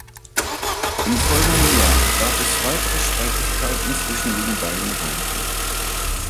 Im folgenden Jahr gab es weitere Streitigkeiten zwischen den beiden Reichen.